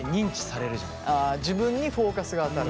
あ自分にフォーカスが当たると。